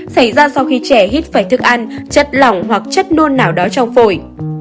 xảy ra sau khi trẻ hít phải thức ăn chất lỏng hoặc chất nôn nào đó trong phổi